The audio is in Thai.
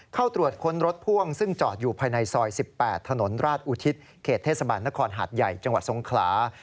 เข้าตรวจค้นรถพ่วงซึ่งจอดอยู่ภายในซอย๑๘ถนนราชอุทิศเขตเทศบาลนครหาดใหญ่จังหวัดทรงขลา